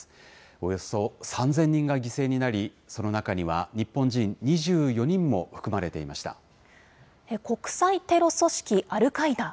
およそ３０００人が犠牲になり、その中には、日本人２４人も含ま国際テロ組織アルカイダ。